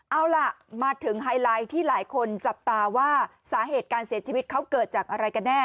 เอาล่ะมาถึงไฮไลท์ที่หลายคนจับตาว่าสาเหตุการเสียชีวิตเขาเกิดจากอะไรกันแน่